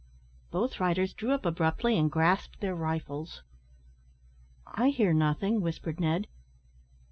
Both riders drew up abruptly, and grasped their rifles. "I hear nothing," whispered Ned.